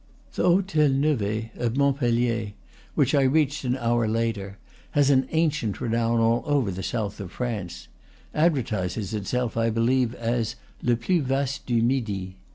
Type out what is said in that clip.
The Hotel Nevet, at Montpellier, which I reached an hour later, has an ancient renown all over the south of France, advertises itself, I believe, as le plus vaste du midi.